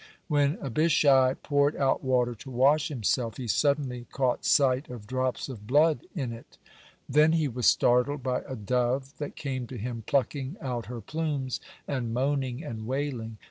When Abishai poured out water to wash himself, he suddenly caught sight of drops of blood in it. Then he was startled by a dove that came to him plucking out her plumes, and moaning and wailing.